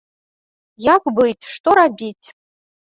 Як быць, што рабіць!